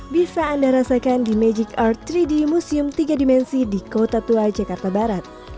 bisa anda rasakan di magic art tiga d museum tiga dimensi di kota tua jakarta barat